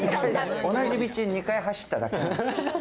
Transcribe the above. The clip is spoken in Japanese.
同じ道２回走っただけ。